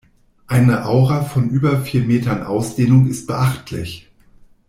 Eine Aura von über vier Metern Ausdehnung ist beachtlich.